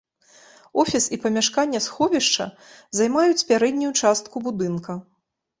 Офіс і памяшканне сховішча займаюць пярэднюю частку будынка.